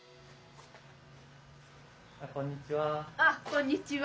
こんにちは。